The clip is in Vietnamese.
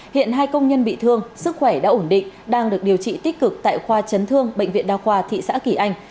hiện hai công nhân bị thương sức khỏe đã ổn định đang được điều trị tích cực tại khoa chấn thương bệnh viện đa khoa thị xã kỳ anh